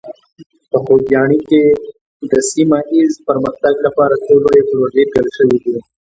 په خوږیاڼي کې د سیمه ایز پرمختګ لپاره څو لویې پروژې پیل شوي دي.